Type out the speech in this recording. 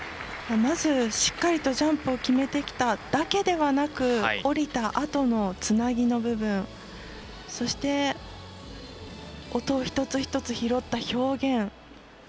まずしっかりとジャンプを決めてきただけでなく降りたあとのつなぎの部分そして音を一つ一つ拾った表現。